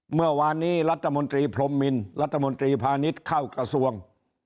เมื่อวานนี้รัฐมนตรีพรมมินรัฐมนตรีพาณิชย์เข้ากระทรวง